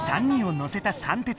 ３人を乗せたさん